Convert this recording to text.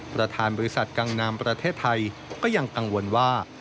ประธานบริษัทกังนามประเทศไทยก็ยังกังวลว่า